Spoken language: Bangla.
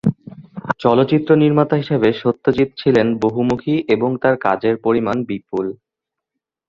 চলচ্চিত্র নির্মাতা হিসেবে সত্যজিৎ ছিলেন বহুমুখী এবং তাঁর কাজের পরিমাণ বিপুল।